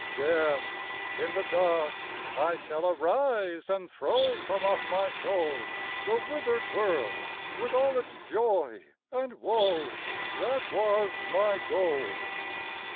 Deaf, in the dark, I shall arise and throw From off my soul, The withered world with all its joy and woe, That was my goal.